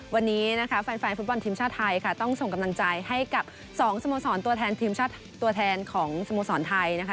วันนี้นะคะแฟนฟุตบอลทีมชาติไทยค่ะต้องส่งกำลังใจให้กับ๒สโมสรตัวแทนทีมชาติตัวแทนของสโมสรไทยนะคะ